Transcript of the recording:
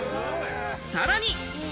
さらに。